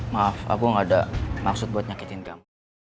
maaf aku gak ada maksud buat nyakitin kamu